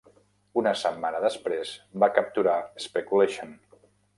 Una setmana després, va capturar "Speculation".